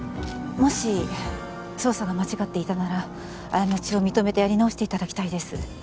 もし捜査が間違っていたなら過ちを認めてやり直していただきたいです。